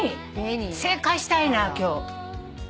正解したいな今日。